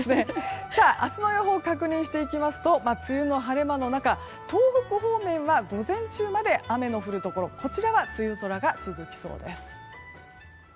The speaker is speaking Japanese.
明日の予報を確認していきますと梅雨の晴れ間の中東北方面は午前中まで雨の降るところこちらは梅雨空が続きそうです。